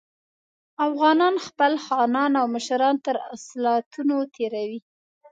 افغانان خپل خانان او مشران تر اصالتونو تېروي.